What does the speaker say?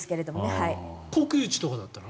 国有地とかだったら？